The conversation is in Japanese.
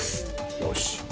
よし。